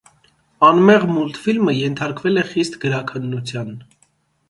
Անմեղ մուլտֆիլմը ենթարկվել է խիստ գրաքննության։